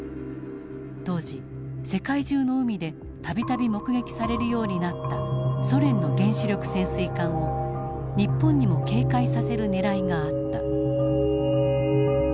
当時世界中の海で度々目撃されるようになったソ連の原子力潜水艦を日本にも警戒させるねらいがあった。